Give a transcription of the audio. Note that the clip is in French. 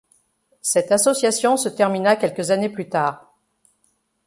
Cette association se termina quelques années plus tard.